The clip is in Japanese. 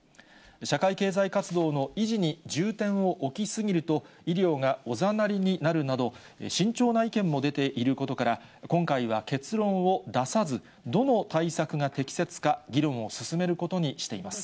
社会経済活動の維持に重点を置き過ぎると、医療がおざなりになるなど、慎重な意見も出ていることから、今回は結論を出さず、どの対策が適切か、議論を進めることにしています。